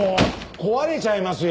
壊れちゃいますよ！